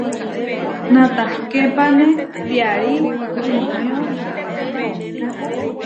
Natahképane piarí inimió pahkó.